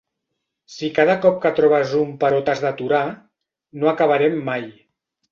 Si cada cop que trobes un però t'has d'aturar, no acabarem mai.